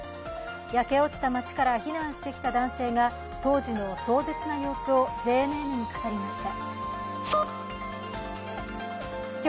焼け落ちた町から避難してきた男性が当時の壮絶な様子をＪＮＮに語りました。